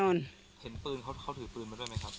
เห็นปืนเขาถือปืนมาด้วยไหมครับ